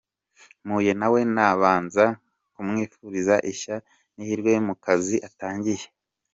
Mpuye nawe nabanza kumwifuriza ishya n’ihirwe mu kazi atangiye .